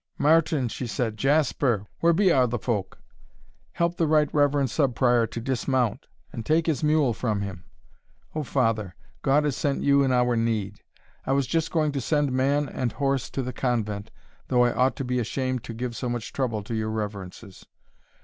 "Martin," she said, "Jasper, where be a' the folk? help the right reverend Sub Prior to dismount, and take his mule from him. O father! God has sent you in our need I was just going to send man and horse to the convent, though I ought to be ashamed to give so much trouble to your reverences."